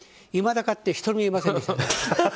いまだかつて１人もいません。